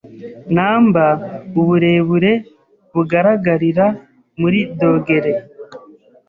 numberUburebure bugaragarira muri dogere